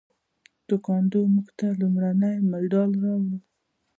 تکواندو موږ ته لومړنی مډال راوړ.